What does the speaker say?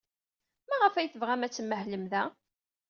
Maɣef ay tebɣam ad tmahlem da?